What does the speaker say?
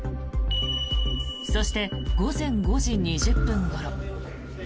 そして、午前５時２０分ごろ。